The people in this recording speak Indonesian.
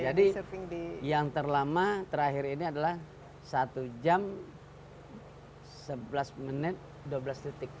jadi yang terlama terakhir ini adalah satu jam sebelas menit dua belas detik